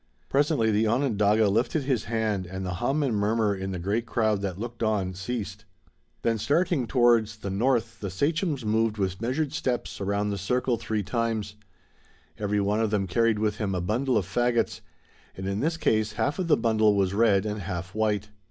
Presently the Onondaga lifted his hand and the hum and murmur in the great crowd that looked on ceased. Then starting towards the north the sachems moved with measured steps around the circle three times. Every one of them carried with him a bundle of fagots, and in this case half of the bundle was red and half white.